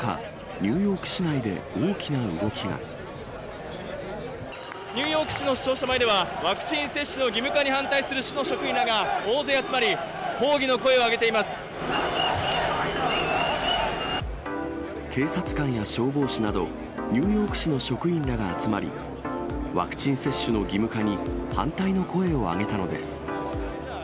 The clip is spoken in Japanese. ニューヨーク市の市庁舎前では、ワクチン接種の義務化に反対する市の職員らが大勢集まり、警察官や消防士など、ニューヨーク市の職員らが集まり、ワクチン接種の義務化に反対の声を上げたのです。